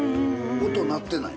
音鳴ってない。